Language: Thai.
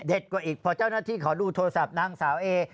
กว่าอีกพอเจ้าหน้าที่ขอดูโทรศัพท์นางสาวเอ